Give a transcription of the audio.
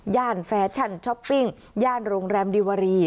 แฟชั่นช้อปปิ้งย่านโรงแรมดิวารี